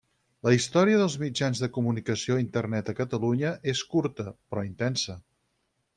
La història dels mitjans de comunicació a Internet a Catalunya és curta, però intensa.